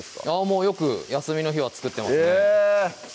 もうよく休みの日は作ってますねへぇ！